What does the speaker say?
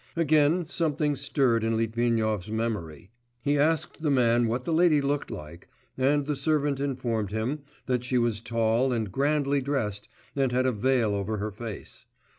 Again something stirred in Litvinov's memory. He asked the man what the lady looked like, and the servant informed him that she was tall and grandly dressed and had a veil over her face.